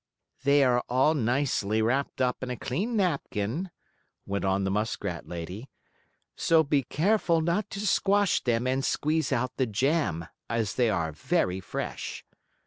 "They are all nicely wrapped up in a clean napkin," went on the muskrat lady, "so be careful not to squash them and squeeze out the jam, as they are very fresh."